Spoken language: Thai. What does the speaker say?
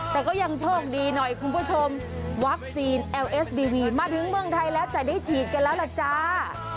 แต่ก็ยังโชคดีหน่อยคุณผู้ชมวัคซีนเอลเอสดีวีมาถึงเมืองไทยแล้วจะได้ฉีดกันแล้วล่ะจ้า